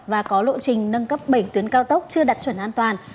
và có lộ trình nâng cấp bảy tuyến cao tốc chưa đạt chuẩn an toàn